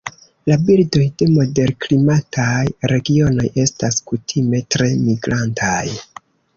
La birdoj de moderklimataj regionoj estas kutime tre migrantaj.